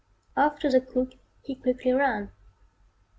Off to the cook he quickly ran.